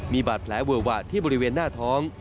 มีบาดแผลเวอะวะที่บริเวณหน้าท้อง